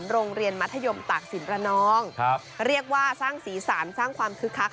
โรงเรียนมัธยมตากศิลประนองเรียกว่าสร้างสีสันสร้างความคึกคัก